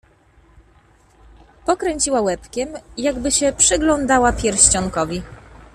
Pokręciła łebkiem, jakby się przyglądała pierścionkowi.